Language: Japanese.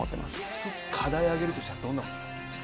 １つ課題を挙げるとしたらどんなことになりますか？